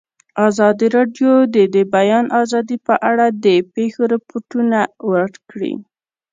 ازادي راډیو د د بیان آزادي په اړه د پېښو رپوټونه ورکړي.